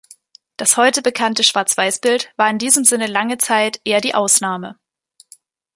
Das heute bekannte Schwarzweißbild war in diesem Sinne lange Zeit eher die Ausnahme.